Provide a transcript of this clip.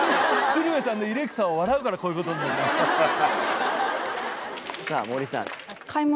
鶴瓶さんの「イレクサ」を笑うからこういうことに。をしてたんですよ。